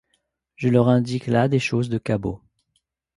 Je leur indique là des choses de cabot.